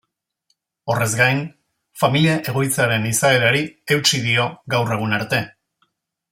Horrez gain, familia-egoitzaren izaerari eutsi dio gaur egun arte.